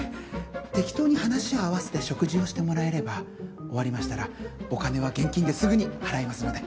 適当に話を合わせて食事をしてもらえれば終わりましたらお金は現金ですぐに払いますので。